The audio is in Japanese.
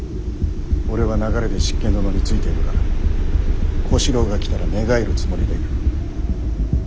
俺は流れで執権殿についているが小四郎が来たら寝返るつもりでいる。